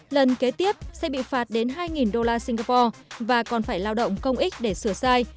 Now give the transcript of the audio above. lần kế tiếp sẽ bị phạt đến hai đô la singapore và còn phải lao động công ích để sửa sai